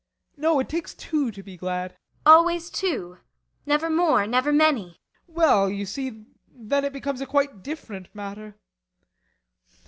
No, it takes two to be glad. ASTA. Always two? Never more? Never many? BORGHEIM. Well, you see then it becomes a quite different matter.